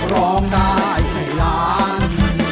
ร้องได้ให้ล้าน